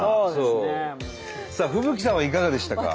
さあ風吹さんはいかがでしたか？